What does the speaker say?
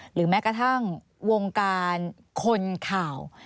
หรือแม้กระทั่งวงการคนข่าว